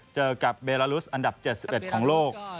เจอกับเบลาลุสอันดับ๗๑ของโลก